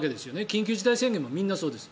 緊急事態宣言もみんなそうです。